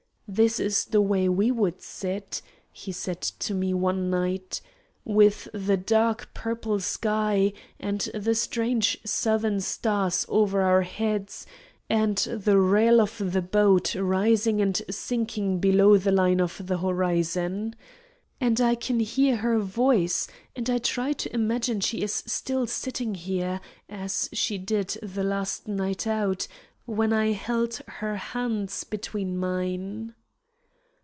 'This is the way we would sit,' he said to me one night, 'with the dark purple sky and the strange Southern stars over our heads, and the rail of the boat rising and sinking below the line of the horizon. And I can hear her voice, and I try to imagine she is still sitting there, as she did the last night out, when I held her hands between mine.'"